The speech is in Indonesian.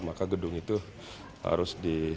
maka gedung itu harus di